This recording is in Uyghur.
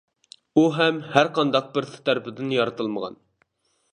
ئۇ ھەم ھەر قانداق بىرسى تەرىپىدىن يارىتىلمىغان.